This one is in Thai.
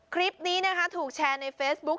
คลิปนี้นะคะถูกแชร์ในเฟซบุ๊ค